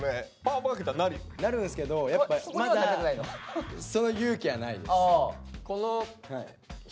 なるんすけどやっぱまだその勇気はないです。